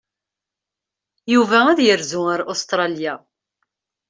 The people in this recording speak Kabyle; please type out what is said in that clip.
Yuba ad yerzu ar Ustṛalya.